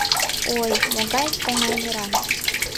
Ой, могай оҥай мераҥ!